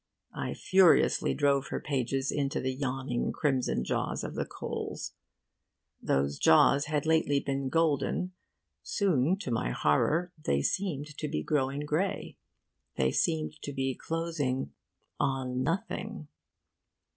I furiously drove her pages into the yawning crimson jaws of the coals. Those jaws had lately been golden. Soon, to my horror, they seemed to be growing grey. They seemed to be closing on nothing.